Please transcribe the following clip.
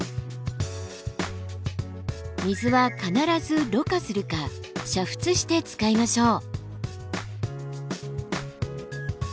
水は必ずろ過するか煮沸して使いましょう。